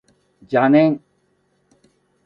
邪念